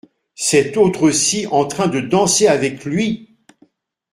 Cette autre-ci en train de danser avec lui !